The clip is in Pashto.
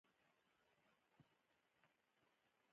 • د علیزي قوم خلک د پښتني ارزښتونو ساتونکي دي.